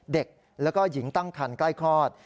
เด็กแล้วก็หญิงตั้งคันใกล้คลอด